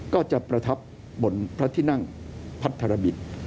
ก็จะประทับบนพระที่นั่งพัทรบิต